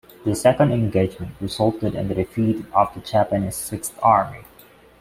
This second engagement resulted in the defeat of the Japanese Sixth Army.